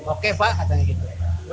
oke pak katanya gitu